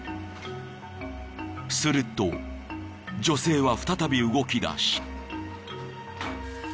［すると女性は再び動きだし］